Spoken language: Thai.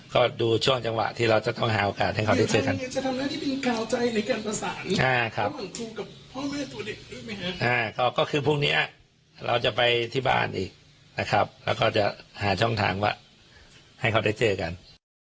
เขาก็คือพรุ่งนี้เราจะไปที่บ้านอีกนะครับแล้วก็จะหาช่องทางว่าให้เขาได้เจอกัน